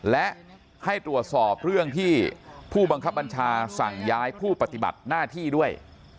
และให้ตรวจสอบเรื่องที่ผู้บังคับบัญชาสั่งย้ายผู้ปฏิบัติหน้าที่ด้วย